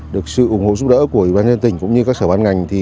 được sự ủng hộ giúp đỡ của bán nhân tỉnh cũng như các sở bán ngành